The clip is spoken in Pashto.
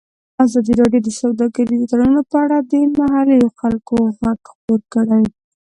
ازادي راډیو د سوداګریز تړونونه په اړه د محلي خلکو غږ خپور کړی.